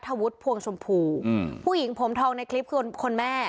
ธวุฒิพวงชมพูอืมผู้หญิงผมทองในคลิปคือคนคนแม่